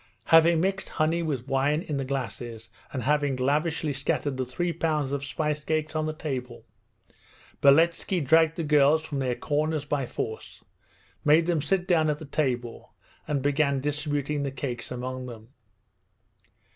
Having mixed honey with wine in the glasses, and having lavishly scattered the three pounds of spice cakes on the table, Beletski dragged the girls from their corners by force, made them sit down at the table, and began distributing the cakes among them.